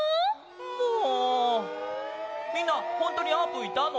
もうみんなほんとにあーぷんいたの？